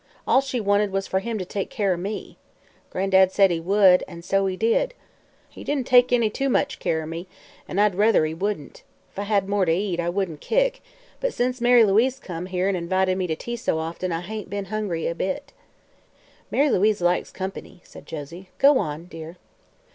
All she wanted was for him to take care o' me. Gran'dad said he would; an' so he did. He didn't take any too much care o' me, an' I'd ruther he wouldn't. If I had more to eat, I wouldn't kick, but since Mary Louise come here an' invited me to tea so often I hain't be'n hungry a bit." "Mary Louise likes company," said Josie. "Go on, dear."